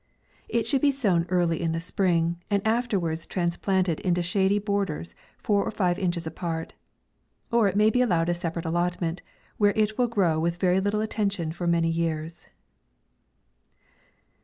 It should be sown early in the spring, and afterwards transplanted into shady borders, four or five inches apart. Or it may be al lowed a separate allotment, where it will grow with very little attention for many years.